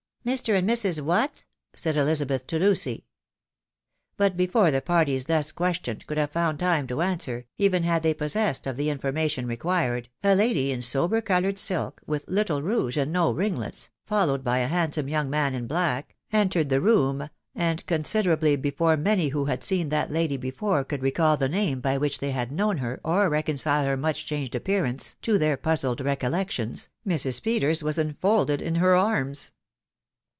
" Mr. and Mrs. what?' said Elizabeth to Lucy. But before the parties thus questioned could have found time to answer, even had they been possessed of the informa tion required, a lady in sober coloured silk, with little rouge and no ringlets, followed by a handsome young man in black, entered the room, and considerably before many who had seen that lady before could recall the name by which they had known her, or reconcile her much changed appearance to their puzzled recollections, Mrs. Peters was enfolded in her arms.